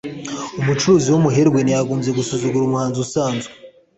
. Umucuruzi w’umuherwe ntiyagombye gusuzugura umuhinzi usanzwe